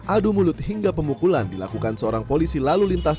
adu mulut hingga pemukulan dilakukan seorang polisi lalu lintas